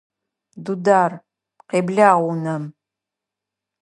Дудар, къеблагъ унэм!